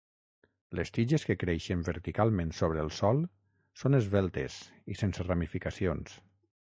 Les tiges que creixen verticalment sobre el sòl són esveltes i sense ramificacions.